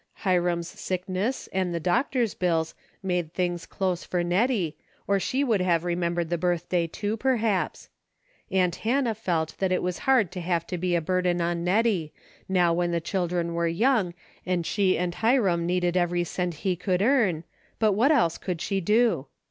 Hiram's sickness and the doctor's bills made things close for Nettie or she Avould have re membered the birthday, too, perhaps. Aunt Hannah felt that it was hard to have to be a burden on Nettie, noAv when the children Avere young and she and Hiram needed every cent he could earn, but Avhat else could she do